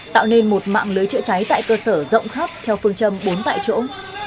tạo nên một mạng lưới chữa cháy tại cơ sở rộng khắp theo phương châm bốn tại chỗ